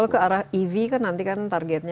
ke arah ev nanti targetnya